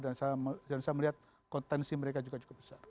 dan saya melihat potensi mereka juga cukup besar